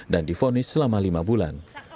dan difonis selama lima bulan